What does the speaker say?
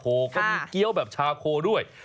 โอ้โหก็มีเกี้ยวแบบชาโคด้วย